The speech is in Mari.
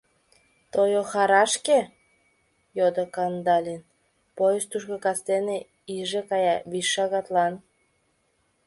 — Тойохарашке? — йодо Кандалин, — Поезд тушко кастене иже кая, вич шагатлан.